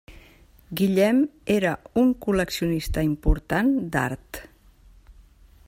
Guillem era un col·leccionista important d'art.